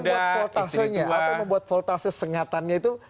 apa yang membuat voltasinya sengatannya itu